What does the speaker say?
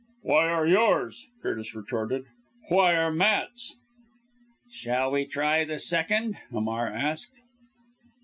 "Why are yours?" Curtis retorted; "why are Matt's?" "Shall we try the second?" Hamar asked.